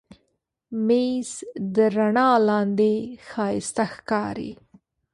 مېز د رڼا لاندې ښایسته ښکاري.